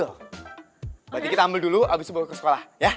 berarti kita ambil dulu abis itu baru ke sekolah